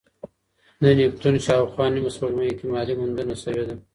د نیپتون شاوخوا نیمه سپوږمۍ احتمالي موندنه شوې ده.